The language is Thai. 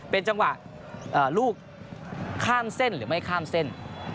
เป็นจังหวะลูกข้ามเส้นหรือไม่ข้ามเส้น